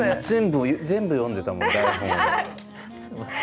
全部全部読んでたもん台本を。